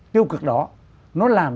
tiêu cực đó nó làm